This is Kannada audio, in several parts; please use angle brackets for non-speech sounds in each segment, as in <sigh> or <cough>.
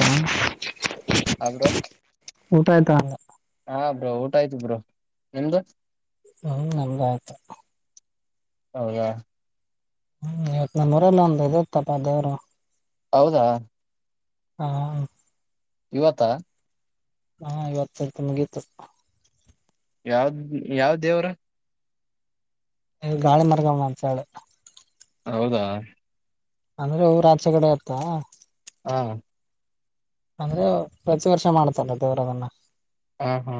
ಹ್ಮ ಆ ಬ್ರೋ ಊಟಾ ಆಯ್ತಾ ಹಾ ಬ್ರೋ ಊಟ ಆಯ್ತು ಬ್ರೋ ನಿಮ್ದು ಹ್ಮ್ ನಮ್ದ ಆಯ್ತು ಹೌದಾ ಹ್ಮ್ ಇವತ್ ನಮ್ಮ್ ಊರಲ್ಲ ಒಂದು ಇತ್ತಪ್ಪ ದೇವ್ರು ಹೌದಾ ಹಾ ಇವತ್ತ ಹಾ ಇವತ್ತು <unintelligible> ಮುಗೀತು ಯಾವ್ದ ಯಾವ ದೇವ್ರ ಗಾಳಿ ಮಾರಮ್ಮ ಅಂತ ಹೇಳಿ ಹೌದಾ ಅಂದ್ರೆ ಊರು ಆಚೆಕಡೆ ಇತ್ತು ಹಾ ಅಂದ್ರೆ ಪ್ರತಿ ವರ್ಷ ಮಾಡ್ತಾರ ದೇವರದನ್ನ ಹಾ ಹಾ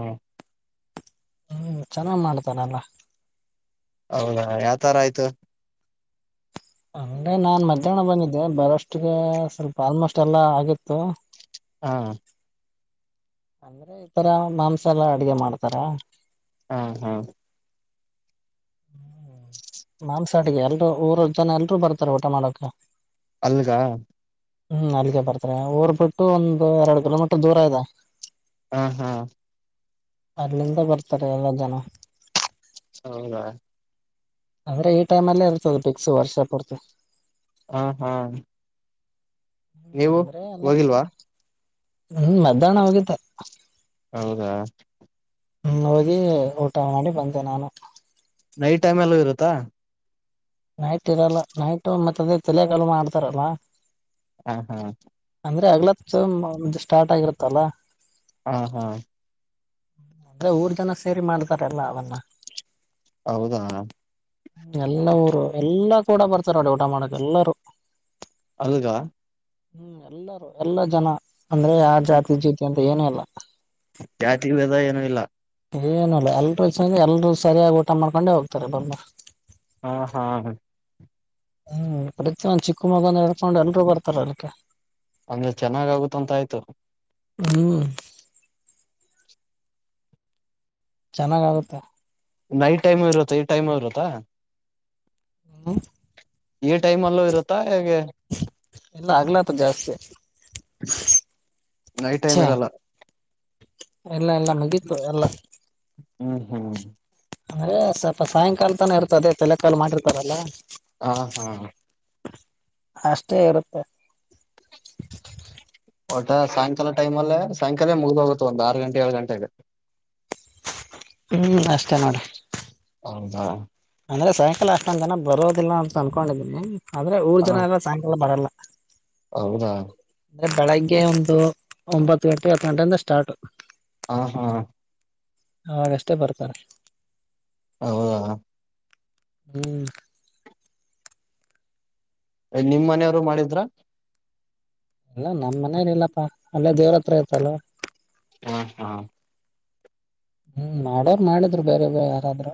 ಹ್ಮ್ ಚೆನ್ನಾಗ್ ಮಾಡ್ತಾರಲ್ಲ ಹೌದಾ ಯಾವ ತರ ಆಯ್ತು ಅಂದೆ ನಾನ್ ಮಧ್ಯಾಹ್ನ ಬಂದಿದ್ದೆ ಬರೋಷ್ಟಿಗೆ ಸ್ವಲ್ಪ ಆಲ್ಮೋಸ್ಟ್ ಎಲ್ಲಾ ಆಗಿತ್ತು ಹಾ ಅಂದ್ರೆ ಈತರ ಮಾಂಸ ಎಲ್ಲಾ ಅಡ್ಗೆ ಮಾಡ್ತಾರ ಹಾ ಹಾ ಹ್ಮ್ ಮಾಂಸಹಟಿಗೆ ಎಲ್ರುೂ ಊರ ಜನ ಎಲ್ರುೂ ಬರ್ತಾರ ಊಟ ಮಾಡಕ ಆಲ್ಗ ಹ್ಮ್ ಅಲ್ಲಿಗೆ ಬರ್ತಾರೆ ಊರ್ ಬಿಟ್ಟು ಒಂದು ಎರಡು ಕಿಲೋಮೀಟರ್ ದೂರ ಇದ ಹಾ ಹಾ ಅಲ್ಲಿಂದ ಬರ್ತಾರೆ ಎಲ್ಲ ಜನ ಹೌದಾ ಆದ್ರೆ ಈ ಟೈಮ್ ಅಲ್ಲೇ ಇರ್ತದೆ ಕ್ಸ್ ವರ್ಷ ಪೂರ್ತ ಹ ಹಾ ನೀವು ಹೋಗಿಲ್ವಾ ಹ್ಮ ಮಧ್ಯಾಹ್ನ ಹೋಗಿದ್ದ ಹೌದಾ ಹ್ಮ್ ಹೋಗಿ ಊಟ ಮಾಡಿ ಬಂದೆ ನಾನು ನೈಟ್ ಟೈಮ್ ಎಲ್ಲೂ ಇರುತ್ತಾ ನೈಟ್ ಇರಲ್ಲ ನೈಟ್ ಮತ್ತ ಅದೇ ತಲೆಕಾಲು ಮಾಡ್ತಾರಲ್ಲ ಹಾ ಹಾ ಅಂದ್ರೆ ಅಗ್ಲತ್ ಸ್ಟಾರ್ಟ್ ಆಗಿರತ್ತಲ್ಲ ಹಾ ಹಾ ಅಂದ್ರೆ ಊರ್ ಜನ ಸೇರಿ ಮಾಡ್ತಾರೆ ಎಲ್ಲ ಅವಲ್ಲ ಹೌದಾ ಎಲ್ಲ ಊರು ಎಲ್ಲಾ ಕೂಡ ಬರ್ತಾರ ನೋಡಿ ಊಟ ಮಾಡಕ್ ಎಲ್ಲಾರೂ ನಲ್ಗ ಹ್ಮ್ ಎಲ್ಲಾರು ಎಲ್ಲಾ ಜನ ಅಂದ್ರೆ ಯ ಜಾತಿ ಜ್ಯೋತಿ ಅಂತ ಏನು ಎಲ್ಲ ಜಾತಿ ವೇದ ಏನುೂ ಇಲ್ಲ ಏನಲ್ಲ ಎಲ್ರುೂ ಚಂದ ಎಲ್ರುೂ ಸರಿಯಾಗಿ ಊಟ ಮಾಡ್ಕೊಂಡೆ ಹೋಗ್ತಾರೆ ಬರ್ ಹಾ ಹಾ ಹ ಹ್ಮ್ ಪ್ರತಿಯೊಂದ್ ಚಿಕ್ಕ ಮಗನ ಹಡ್ಕೊಂಡು ಎಲ್ರುೂ ಬರ್ತಾರ ಅದಕ್ಕೆ ಅಂದ್ರೆ ಚೆನ್ನಾಗ ಆಗುತ್ತ ಅಂತ ಆಯ್ತು ಹ್ಮ್ ಚೆನ್ನಾಗ ಆಗುತ್ತೆ ನೈಟ್ ಟೈಮ್ ಇರತ್ತ ಈ ಟೈಮ್ ಇರತ್ತಾ ಹ್ಮ ಈ ಟೈಮ್ ಅಲ್ಲೂ ಇರುತ್ತಾ ಹೇಗೆ ಎಲ್ಲ ಆಗ್ಲತ ಜಾಸ್ತಿ ನೈಟ್ ಚ ಟೈಮ್ ಇರಲ್ಲ ಎಲ್ಲ ಎಲ್ಲ ಮಗೀತು ಎಲ್ಲ ಹ್ಮ್ ಹ್ಮ್ ಅಂದ್ರೆ ಸ್ವಲ್ಪ ಸಾಯಂಕಾಲ ತಾನ ಇರ್ತದೆ ತಲೆಕಾಲು ಮಾಡಿರ್ತದಲ್ಲಾ ಹಾ ಹಾ ಅಷ್ಟೇ ಇರುತ್ತೆ ಒಟ್ಟ ಸಾಯಂಕಾಲ ಟೈಮ್ ಅಲ್ಲೇ ಸಾಯಂಕಾಲ ಮುಗ್ದ ಹೋಗುತ್ತೆ ಒಂದು್ ಆರು ಗಂಟೆ ಏಳು ಗಂಟೆ ಆಗುತ್ತೆ ಹ್ಮಞೂ ಅಷ್ಟೇ ನೋಡಿ ಹೌದಾ ಅಂದ್ರೆ ಸಾಯಂಾಲ ಅಷ್ಟೊಂದ ಜನ ಬರೋದಿಲ್ಲ ಅಂತ ಅನ್ಕೊಂಡಿದೀನಿ ಆದ್ರೆ ಊರ್ ಹ ಜನ ಎಲ್ಲ ಸಾಯಂಕಾಲ ಬರಲ್ಲ ಹೌದಾ ಅಂದ್ರೆ ಬೆಳಗ್ಗೆ ಒಂದು ಒಂಬತ್ತು ಗಂಟೆ ಹತ್ತು ಗಂಟೆಯಿಂದ ಸ್ಟಾರ್ಟ್ ಹಾ ಹಾ ಅವಾಗಷ್ಟೇ ಬರ್ತಾರೆ ಹ ಹ್ಮ್ ನಿಮ್ ಮನೆಯವರು ಮಾಡಿದ್ರ ಎಲ್ಲ ನಮ್ಮ್ ಮನೇಲಿ ಇಲ್ಲಪ್ಪಾ ಅಲ್ಲೇ ದೇವ್ರ ಹತ್ರ ಇತಲ್ವಾ ಹಾ ಹಾ ಹ್ಮ್ ಮಾಡ್ಯಾರ ಮಾಡಿದ್ರು ಬೇರೆ ಬ ಯಾರಾದ್ರ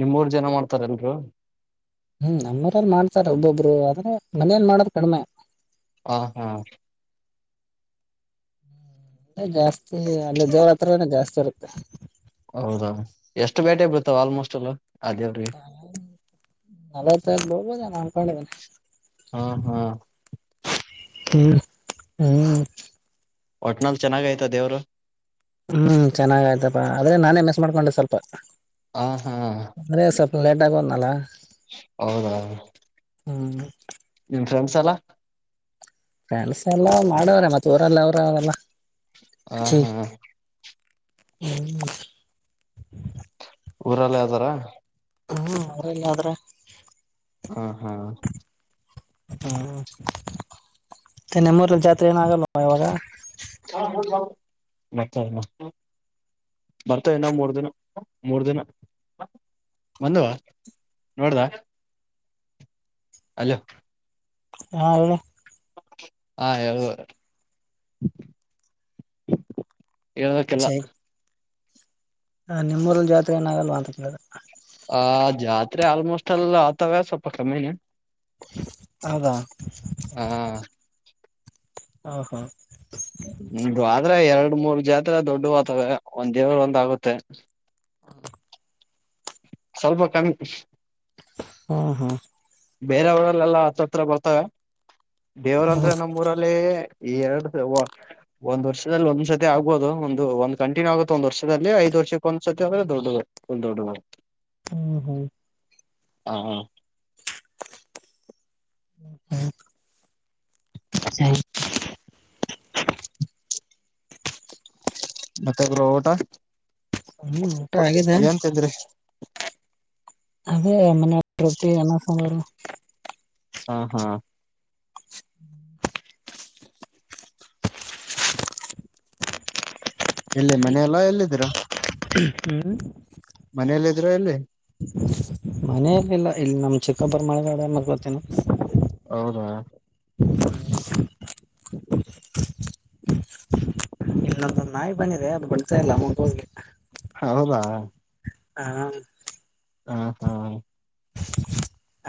ನಿಮ್ಮೂರ್ ಜನ ಮಾಡ್ತಾರಲ್ರು ಹ್ಮ್ ನಮ್ಮ್ರಲ್ಲಿ ಮಾಡ್ತಾರೆ ಒಬ್ಬೊಬ್ರು ಆದ್ರೆ ಮನೇನ್ ಮಾಡ್ರ ಕಡಿಮೆ ಹ ಹಾ ಜಾಸ್ತಿ ಅಲ್ಲಿ ಜೋರ ಹತ್ರ ಜಾಸ್ತಿ ಇರುತ್ತೆ ಹೌದಾ ಎಷ್ಟು ಬೇಟೆ ಬಿಡ್ತಾವ ಆಲ್ಮೋಸ್ಟ್ ಎಲ್ಲ ಆ ದೇವ್ರಿಗೆ ಹ ನದ ಚ ಬೋ ಬ ನಾಮಕೊಂಡ ಬ ಹಾ ಹಾ ಹ್ಮ ಹ್ ಒಟ್ನಲ್ ಚೆನ್ನಾಗ ಐ್ತ ದೇವರು ಹ್ಮ್ ಚೆನ್ನಾಗ ಆ್ತಪ್ಪಾ ಆದ್ರೆ ನಾನೇ ಮಿಸ್ ಮಾಡ್ಕೊಂಡೆ ಸ್ವಲ್ಪ ಹ ಹಾ ಲೆಟ ಆಾಗ ನಲ್ಲ ಹೌದ, ಹ್ಮ್ <inaudible> ನಿಮ ಫ್ರೆಂಡ್ಸ್ ಎಲ್ಲ ಕೆಲ್ಸ ಎಲ್ಲ ಮಾಡವ್ರೆ ಮತ್ತ ಊರಲ್ಲ ಅವ್ರ ಅವೆರೆಲ್ಲ. ಹ, ಹಾ,, ಹ್ಮ್ <unintelligible> ಊರಲ್ಲೇ ಅದರಾ ಹ್ಮ್, ಊರಲ್ಲಿ ಆವರೆ ಹಾ, ಹಾ,, ಹ್ಮ, ಮತ್ತೆ ನಿಮ್ಮ ಊರಲ್ಲಿ ಜಾತ್ರೆ ಏನ ಆಗಲ್ಲ. ಹಬ್ಬ ಯಾವಾಗ ಮತ್ತ <unintelligible> ಬರ್ತಾ ಇನ್ನ ಮೂರ್ ದಿನ ಮೂರ್ ದಿನ ಬಂದುವ ನೋಡ್ದಾ ಅಲ್ಲೋ <inaudible> ಹಾ ಹೇಳಲೇ <unintelligible> ಹಾ, ಹೇಳು ಹೇಳಬೇಕ ಎಲ್ಲಾ ಹ ನಿಮ್ಮೂರಲ್ಲಿ ಜಾತ್ರೆ ಏನ ಆಗಲ್ವಾ. ಅಂತೇಳ- ಆ ಜಾತ್ರೆ ಆಲ್ಮೋಸ್ಟ್ ಎಲ್ಲಾ ಆತಾವ ಸ್ವಲ್ಪ ಕಮ್ಮಿನೆ. ಹೌದಾ, ಹ ಹ ಹಾ <unintelligible> ಎರಡು ಮೂರು ಜಾತ್ರೆ ದೊಡ್ಡ ಹಾತವೆಒಂದ್ ದೇವರ ಒಂದ ಆಗುತ್ತೆ. ಸ್ವಲ್ಪ ಕಮ್ಮಿ ಈ ಹಾ, ಹಾ, ಬೇರೆಊರಲ್ಲೆಲ್ಲಾ ಹತ್ರ -ಹತ್ರ ಬರ್ತಾವ ದೇವರ ಹ್ಮ್ ಅಂದ್ರೆ ನಮ್ಮ್ಊರಲ್ಲಿ ಈ ಎರಡು ಒಂದ್ ವರ್ಷದಲ್ಲಿ ಒಂದ್ ಸತಿ ಆಗ್ಬಹುದು. ಒಂದು ಒಂದ್ ಕಂಟಿನ್ಯೂ ಆಗುತ್ತೆ ಒಂದ್ ವರ್ಷದಲ್ಲಿ. ಐದು- ವರ್ಷಕ್ಕೆ ಒಂದು ಸರತಿ ಆದರೆ ದೊಡ- ದೊಡುವ. ಹ್ಮ ಹಾ <unintelligible> ಹಾ, ಹಾ,, ಹ ಹ್ಮ <inaudible> ಸರಿ <unintelligible> ಮತ್ತೆ ಬ್ರೋ ಊಟ ಹ್ಮ್ ಊಟ ಆಗಿದೆ ಏನ ತಿಂದರಿ. ಅದೇ ಮನೆಯ ರೊಟ್ಟಿ, ಅನ್ನ, ಸಾಂಬಾರು. ಹಾ, ಹಾ ಎಲ್ಲಿ ಮನೆಯಲ್ಲಾ ಎಲ್ಲ ಇದ್ರಿ ಹ್ಮ್ ಮನಲ್ಲ ಇದೀರಾ ಎಲ್ಲಿ. ಮನೇಲಿ ಇಲ್ಲಾ, ಇಲ್ಲಿ ನಮ್ ಚಿಕ್ಕಪರ ಮಾಳಿಗಮ್ಯಾಲ ಮಕ್ಕೋತೀನಿ. ಹೌದಾ, ಹ <inaudible> ಇಲ್ಲೊಂದ ನಾಯಿ ಬಂದಿದೆ ಅದು ಬಿಡ್ತಾ ಇಲ್ಲಾ ಮುಂದ ಹೋಗೋಕೆ. ಹೌದಾ, ಹಾ, ಹಾ ಹಾ ಹಾ <inaudible>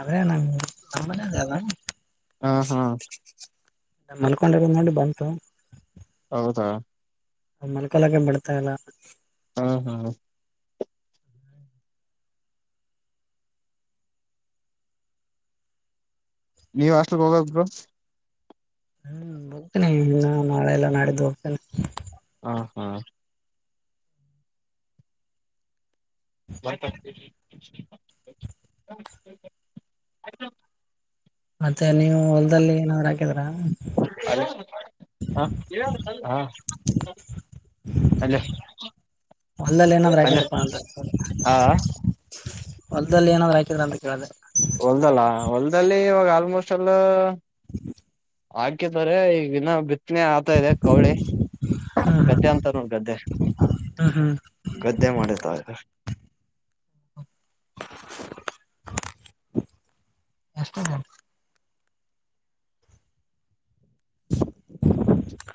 ಆದರೆ ನಮ್ಮ ಮನ್ಯಾಗ ಆರಾಮ <unintelligible> ಹ್ಮ್, ಹ್ಮ ಮಾಲ್ಕೊಂಡಿದ್ದ ನೋಡಿ ಬಂತ. ಹೌದಾ, ಮಲ್ಕೊಲಕೆ ಬಿಡ್ತಾ ಇಲ್ಲ. ಹಾ ಹಾ <inaudible> ನೀವ್ ಹಾಸ್ಟೆಲ್ ಹೋಗಬೇಕಾ ಬ್ರೋ, - ಹ್ಮ್ ಹೋಗ್ತೇನಿ ಇನ್ನು ನಾಳೆಲ್ಲಾ ನಾಡಿದ್ದು ಹೋಗ್ತೇನೆ ಹ ಹಾ <unintelligible> ಅತ್ತೆ ನೀವು ಹೊಲ್ದಲ್ಲಿ ಏ ನರಾ ಹ ಹಾ <unintelligible> ಹಲೋ ಹೊಲದಲ್ಲಿ ಏನಾದ್ರು ಹಾಕಿರಪ್ಪಾ ಅಂತ ಆ ಹೊಲ್ದಲ್ಲಿ ಏನ್ ಆದ್ರೂ ಹಾಕಿರ ಅಂತ ಕೇಳ್ದೆ ಹೊಲ್ದಲ್ಲ ಹೊಲ್ದಲ್ಲಿ ಇವಾಗ ಆಲ್ಮೋಸ್ಟ್ ಎಲ್ಲ <unintelligible> ಹಾಕಿದಾರೆ ಈಗ ಇನ್ನಾ ಬಿತ್ತನೆ ಆತ ಇದೆ ಕೌಳಿ ಹ್ಮ್ ಗದ್ದೆ ಅಂತೋ ಗದ್ದೆ ಹ್ಮ್ ಹ್ಮ್ ಹ್ಮ್ ಗದ್ದೆ ಮಾಡಿರ್ತಾರೆ <unintelligible> <inaudible> ಎಷ್ಟದ <unintelligible>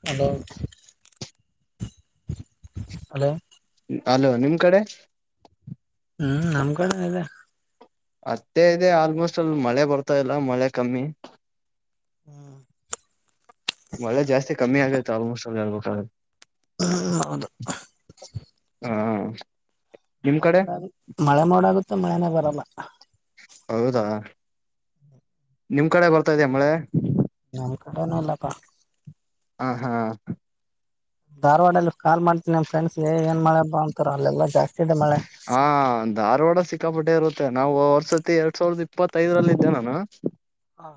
ಹಲೋ ಹಲೋ ಹಲೋ ನಿಮ್ ಕಡೆ ಹಾ ನಮ್ ಕಡೆ ಇದೆ ಅಷ್ಟೇ ಇದೆ ಆಲ್ಮೋಸ್ಟ್ ಅಲ್ಲಿ ಮಳೆ ಬರ್ತಾ ಇಲ್ಲ ಮಳೆ ಕಮ್ಮಿ ಹ್ಮ್ ಮಳೆ ಜಾಸ್ತಿ ಕಮ್ಮಿ ಆಗತ್ತ ಆಲ್ಮೋಸ್ಟ್ ಹೇಳಬೇಕು ಅಂದ್ರೆ ಆ ಹೌದು ಹಾ ನಿಮ್ ಮಳೆ ಕಡೆ ಮೋಡಾಗ ಮಳೆ ಮೋಡಾಗುತ್ತೆ ಮಳೆನೇ ಬರಲ್ಲ ಹೌದಾ ನಿಮ್ ಕಡೆ ಬರ್ತಾ ಇದ್ಯಾ ಮಳೆ ನಮ್ಮ ಕಡೆನೂ ಇಲ್ಲಪ್ಪಾ ಹ ಹಾ ಧಾರವಾಡಲ್ಲಿ ಕಾಲ್ ಮಾಡ್ತೀನಿ ನಿಮ್ ಫ್ರೆಂಡ್ಸ್ ಏನ್ ಮಾಡಲಿ ಪಾ ಹಾ ಧಾರವಾಡ ಸಿಕ್ಕಾಪಟ್ಟೆ ಇರುತ್ ತ್ತೆ ನಾವು ವರ್ಸತಿ ಎರಡ್ ಸಾವಿರದ ಇಪ್ಪತ್ತೈದರಲ್ಲಿ ಇದಿದ್ದೆ ನಾನು ಹಾ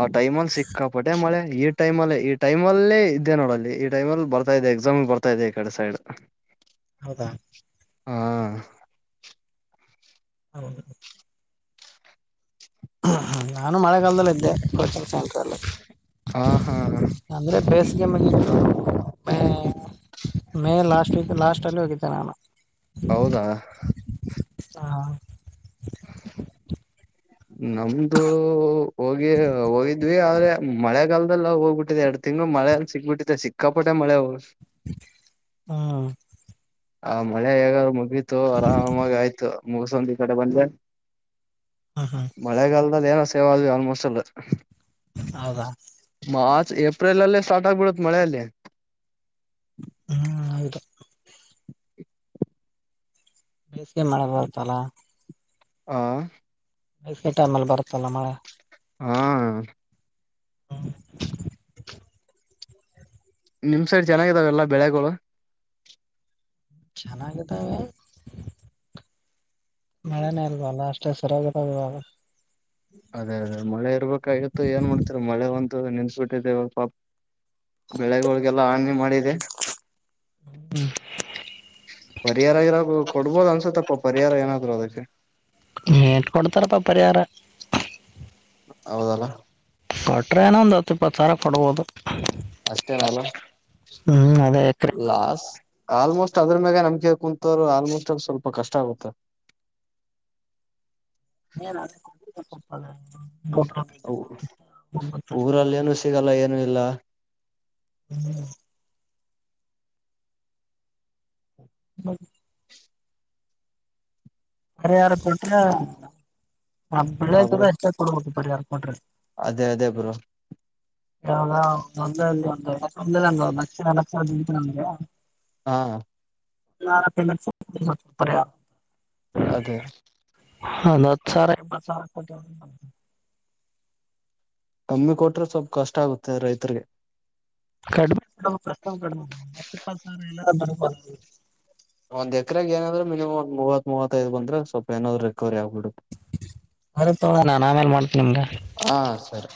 ಆ ಟೈಮ್ ಅಲ್ಲಿ ಸಿಕ್ಕಾಪಟ್ಟೆ ಮಳೆ ಈ ಟೈಮಲ್ಲಿ ಈ ಟೈಮ ಅಲ್ಲೇ ಇದ್ದೆ ನೋಡಲ್ಲಿ ಈ ಟೈಮಲ್ಲಿ ಬರ್ತಾ ಇದ್ದೆ ಎಕ್ಸಾಮ್ ಬರ್ತಾ ಇದೆ ಈ ಕಡೆ ಸೈಡ್ ಹೌದಾ ಹಾ ಹೌದು ನಾನು ಮಳೆಗಾಲದಲ್ಲ ಇದ್ದೆ ಕೋಚಿಂಗ್ ಸೆಂಟ್ರಲ್ಲಿ ಹಾ ಹಾ ಅಂದ್ರೆ ಬ್ರೇಶ್ ಈ ಮನೇಲಿ ಇದ್ದೆ ಮೇ ಲಾಸ್ಟ್ ವೀಕ್ ಲಾಸ್ಟ್ ಅಲ್ಲಿ ಹೋಗಿದ್ದೆ ನಾನು ಹೌದಾ ಹಾ ನಮ್ದು ಹೋಗಿ ಹೋಗಿದ್ವಿ ಆದ್ರೆ ಮಳೆಗಲ್ದ ನಾವೆಲ್ಲ ಹೋಗಬಿಟ್ಟಿದೆ ಎರಡು ತಿಂಗಳು ಮಳೆ ಸಿಕ್ಕಬಿಟ್ಟಿದೆ ಸಿಕ್ಕಾಪಟೆ ಮಳೆ ಅವಾಗ ಹಾ ಆ ಮಳೆ ಯಗ ಮುಗೀತು ಆರಾಮಾಗಿ ಆಯ್ತು ಮುಗಸಂದ ಈ ಕಡೆ ಬಂದ್ರೆ ಹ್ಮ್ ಹ್ಮ್ ಮಳೆಗಾಲದಲ್ಲಿ ಏನು ಸೇವ ಆದವಿ ಆಲ್ಮೋಸ್ಟ್ ಅಲ್ ಹೌದಾ ಮಾರ್ಚ್ ಏಪ್ರಿಲ್ ಅಲ್ಲೇ ಸ್ಟಾರ್ಟ್ ಆಗ್ಬಿಡತ್ ಮಳೆ ಅಲ್ಲಿ ಹ್ಮ್ ಹೌದು ಬೇಸ್ಗೆ ಮಳೆ ಬರ್ತ್ತಲ್ಲ ಹಾ ಬೇಸಿಗೆ ಟೈಮಲ್ಲಿ ಬರುತ್ತಲ್ಲ ಮಳೆ ಹಾ ಹಾ ನಿಮ್ ಸೈಡ್ ಚೆನ್ನಾಗಿದಾವೆಲ್ಲಾ ಬೆಳೆಗಳು ಚಾಲಾಂಗತಾ ವೆ ಮಳೆನೇ ಇಲ್ವಲ್ಲ ಅಷ್ಟೇ ಸೊರಗಿದಂಗೆ ಆಗ್ಯಾವ ಅದೇ ಅದೇ ಮಳೆ ಇರ್ಬೇಕಾಗಿತ್ತು ಏನ್ ಮಾಡ್ತರ ಮಳೆ ಒಂದು ನಿಲ್ಲಿಸಬಿಟ್ಟಿದೆ ಪಾ ಬೆಳೆಗುಳಿಗೆಲ್ಲ ಹಾನಿ ಮಾಡಿದೆ ಪರಿಹಾರಗಿರಗೂ ಕೊಡ್ಬೋದು ಅನ್ಸತ್ತಪ್ಪ ಪರಿಹಾರ ಏನಾದ್ರು ಅದಕ್ಕೆ ಏಟ್ ಕೊಡ್ತಾರಪ್ಪಾ ಪರಿಹಾರ ಹೌದಲ್ಲ ಕೊಟ್ರೆ ಏನೊ ಒಂದು ಹತ್ತು ಇಪ್ಪತ್ತು ಸಾವಿರ ಕೊಡ್ಬೋದು ಅಷ್ಟೇನಲ್ಲ ಹ್ಮ್ ಅದೇ ಎಕರೆ ಲಾಸ್ ಆಲ್ ಅದ್ರ ಮ್ಯಾಗ ನಂಬಿಕೆಂಡ್ ಕುಂತೂರು ಆಲ್ಮೋಸ್ಟ್ ಸ್ವಲ್ಪ ಕಷ್ಟ ಆಗುತ್ತೆ ಊರಲ್ಲಿೇನು ಸಿಗಲ್ಲ ಏನು ಇಲ್ಲ ಹ್ಮ್ ಹ್ಮ ಪರಿಹಾರ ಕೊಟ್ರ ಆ ಬೆಳೆ ಹ ಬ್ರೋ ಎಷ್ಟೈತಲ್ಲಾ ಅಷ್ಟ ಕೊಡ್ಬೇಕು ಪರಿಹಾರ ಕೊಟ್ರ ಅದೇ ಅದೇ ಬ್ರೋ ಒಂದ ಒಂದೊಂದಿಲ್ಲ ಒ ಲಕ್ಷ ಲಕ್ಷರ ದುಡಿತೀನಿ ಅಂದೆ ಹಾ ತಿಂಗಳಾನ ಪೇಮೆಂಟ್ ಸಾಲ್ತಿದ್ದಿಲ್ಲ ಮತ್ತು ಬರೇ ಹೇಳ್ ಅದೇ ಒಂದ್ ಹತ್ತಸಾವರಾ ಇಪ್ಪತ್ತಸಾವರಾ ಕೊಡ್ತೀನಿ ಕಮ್ಮಿ ಕೊಟ್ರ ಸ್ವಲ್ಪ ಕಷ್ಟ ಆಗುತ್ತೆ ರೈತ್ರಿಗೆ ಕಡಿಮೆ ಕೊಡ್ಬೇಕು ಅಷ್ಟೊಂದ್ ಹ <unintelligible> ಒಂದ್ ಎಕರೆಗೆ ಏನಯಿಲ್ಲಂದ್ರು ಮಿನಿಮಮ್ ಒಂದ್ ಮೂವತ್ವತ್ತೈದ ಬಂದ್ರೆ ಸ್ವಲ್ಪ ಏನರ ರಿಕವರಿ ಆಗ್ತದ ಬರ್ಲಿ ತುಗೋಳಣ್ಣ ನಾವೇನ್ ಹಾ ಸರಿ